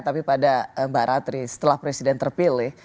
tapi pada mbak ratri setelah presiden terpilih